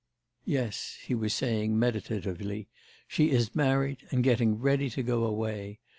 'Yes,' he was saying meditatively, 'she is married and getting ready to go away.